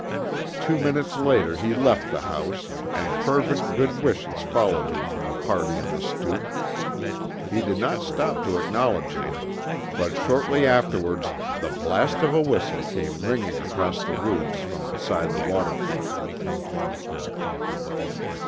Two minutes later, he left the house, and fervent good wishes followed him from the party on the stoop. He did not stop to acknowledge them, but shortly afterwards the blast of a whistle came ringing across the roofs from beside the water front.